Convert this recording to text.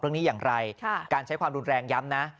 เรื่องนี้อย่างไรการใช้ความรุนแรงย้ำนะ